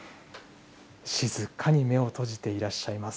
静かに目を閉じていらっしゃいます。